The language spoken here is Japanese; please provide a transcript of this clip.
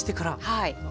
はい。